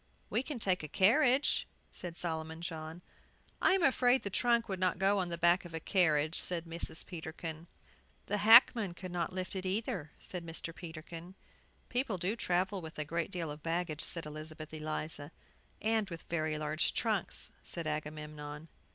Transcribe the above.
"We can take a carriage," said Solomon John. "I am afraid the trunk would not go on the back of a carriage," said Mrs. Peterkin. "The hackman could not lift it, either," said Mr. Peterkin. "People do travel with a great deal of baggage," said Elizabeth Eliza. "And with very large trunks," said Agamemnon.